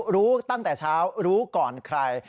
รู้ตั้งแต่เช้ารู้ก่อนใคร